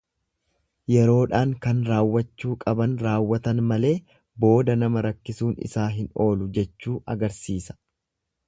Yeroodhaan kan raawwachuu qaban raawwatan malee booda nama rakkisuun isaa hin oolu jechuu agarsiisa.